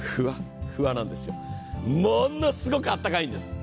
もんのすごくあったかいんです。